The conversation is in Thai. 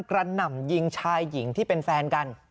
หน่ำยิงชายหญิงที่เป็นแฟนกัน